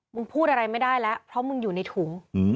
พูดอะไรไม่ได้แล้วเพราะมึงอยู่ในถุง